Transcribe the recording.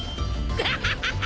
アハハハ！